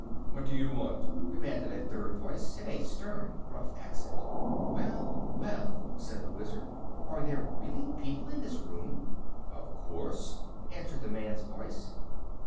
"What do you want?" demanded a third voice, in a stern, gruff accent. "Well, well!" said the Wizard; "are there really people in this room?" "Of course," replied the man's voice.